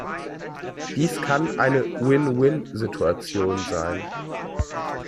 Dies kann eine Win-win-Situation sein.